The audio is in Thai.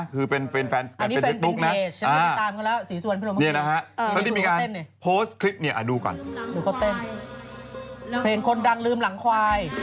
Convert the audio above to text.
เขาร้องเองหรือเปล่า